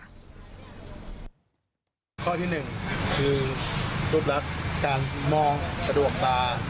ข้อที่หนึ่งคือรูปรักษ์การมองประดวกตา